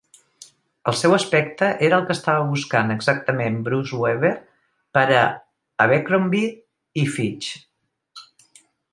El seu aspecte era el que estava buscant exactament Bruce Weber per a Abecrombie i Fitch.